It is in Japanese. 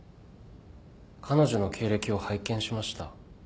彼女の経歴を拝見しました。